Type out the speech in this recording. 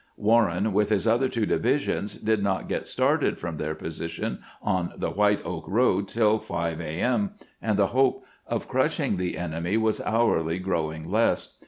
Warren, with his other two divisions, did not get started from their position on the White Oak road till 5 a. m., and the hope of crushing the enemy was hourly growing less.